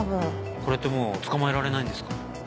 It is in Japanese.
これってもう捕まえられないんですか？